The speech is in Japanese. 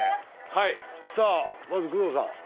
はいさあまず工藤さん